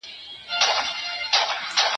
زه پرون د سبا لپاره د ليکلو تمرين کوم؟!